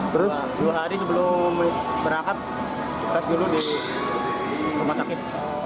terus dua hari sebelum berangkat tes dulu di rumah sakit